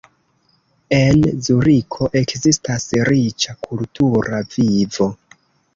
En Zuriko ekzistas riĉa kultura vivo.